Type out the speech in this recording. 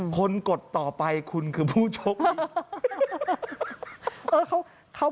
คนกดต่อไปคุณคือผู้โชคดี